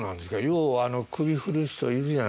よう首振る人いるじゃないですか。